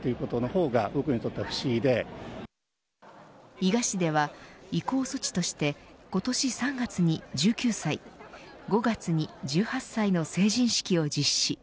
伊賀市では、移行措置として今年３月に１９歳５月に１８歳の成人式を実施。